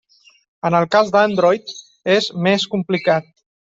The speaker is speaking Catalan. En el cas d'Android és més complicat.